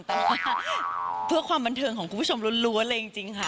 แต่ว่าเพื่อความบันเทิงของคุณผู้ชมล้วนเลยจริงค่ะ